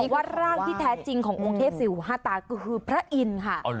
อีกวัดร่างที่แท้จริงขององเทพสี่หูห้าตาก็คือพระอินค่ะ